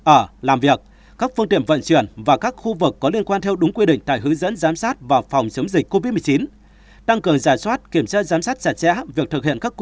ở làm việc các phương tiện vận chuyển và các khu vực có liên quan theo đúng quy định tại hướng dẫn giám sát và phòng chống dịch covid một mươi chín